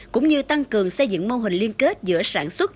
cũng như tăng cường xây dựng mô hình liên kết giữa sản xuất